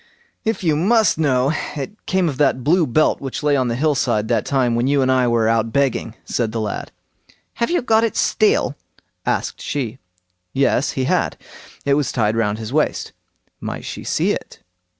"If you must know, it came of that blue belt which lay on the hill side that time when you and I were out begging", said the lad. "Have you got it still?" asked she. "Yes"—he had. It was tied round his waist. "Might she see it?"